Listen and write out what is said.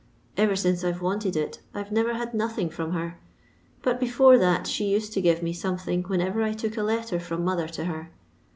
BTer since I Ve wanted it I We never had nothing from her, but before that she used to give me something whenever I took a letter from mother to her.